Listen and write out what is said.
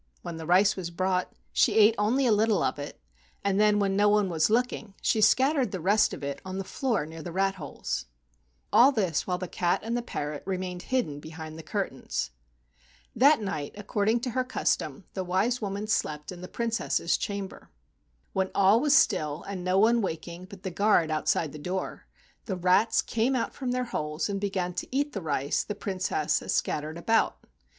When the rice was brought she ate only a little of it, and then, when no one was looking, she scattered the rest of it on the floor near the rat holes. 56 AN EAST INDIAN STORY All this while the cat and the parrot remained hidden behind the curtains. That night, according to her custom, the wise woman slept in the Princess's chamber. When all was still, and no one waking but the guard outside the door, the rats came out from their holes and began to eat the rice the Prin¬ cess had scattered about.